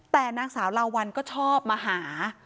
แต่นางสาวลาวัลก็ชอบมาหา